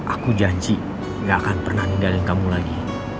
aku janji gak akan pernah ninggalin kamu lagi